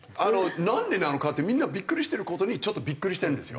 なんでなのかってみんなビックリしてる事にちょっとビックリしてるんですよ。